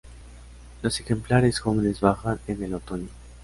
Los ejemplares jóvenes bajan en el otoño.